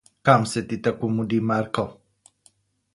Kam se ti tako mudi, Marko?